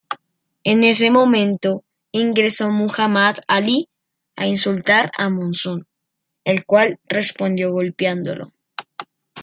En ese momento ingresó Muhammad Ali a insultar a Monsoon, el cual respondió golpeándolo.